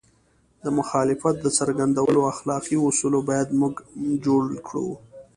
د مخالفت د څرګندولو اخلاقي اصول باید موږ جوړ کړو.